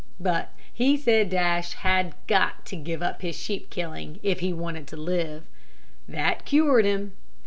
But he said Dash had got to give up his sheep killing, if he wanted to live. That cured him.